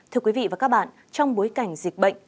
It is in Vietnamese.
thưa quý vị và các bạn trong bối cảnh dịch bệnh